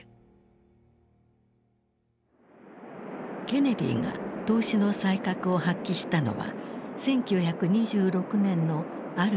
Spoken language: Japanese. ケネディが投資の才覚を発揮したのは１９２６年のある出来事だった。